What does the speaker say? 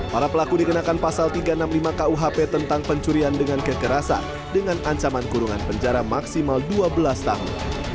para pelaku dikenakan pasal tiga ratus enam puluh lima kuhp tentang pencurian dengan kekerasan dengan ancaman kurungan penjara maksimal dua belas tahun